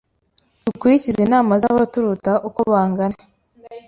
Dukurikize inama zabaturuta ukobangana